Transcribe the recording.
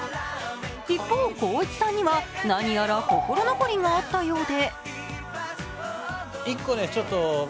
一方、光一さんには何やら心残りがあったようで。